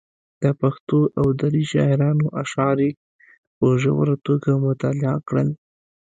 د پښتو او دري شاعرانو اشعار یې په ژوره توګه مطالعه کړل.